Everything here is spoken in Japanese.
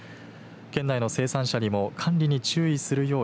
県内の生産者にも管理に注意するよう